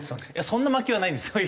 そんな魔球はないんですよ。